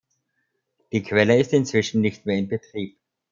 Die Quelle ist inzwischen nicht mehr in Betrieb.